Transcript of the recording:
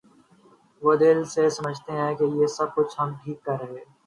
وہ دل سے سمجھتے ہیں کہ یہ سب کچھ ہم ٹھیک کر رہے ہیں۔